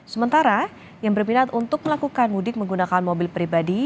sementara yang berminat untuk melakukan mudik menggunakan mobil pribadi